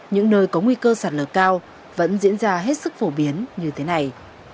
những nơi có nguy cơ sạt lở cao vẫn diễn ra hết sức phổ biến như thế này